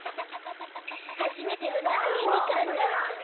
初めてのラーメンに感動。